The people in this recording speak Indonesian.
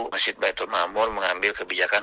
masjid baitul mamun mengambil kebijakan